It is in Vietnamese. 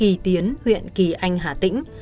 kỳ tiến huyện kỳ anh hà tĩnh